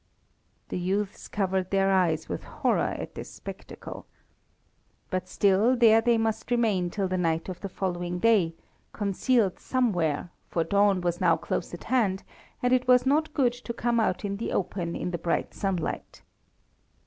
The youths covered their eyes with horror at this spectacle. But still there they must remain till the night of the following day, concealed somewhere, for dawn was now close at hand and it was not good to come out in the open in the bright sunlight.